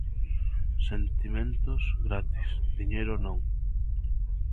Sentimentos, gratis; diñeiro, non.